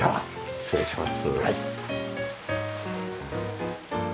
失礼します。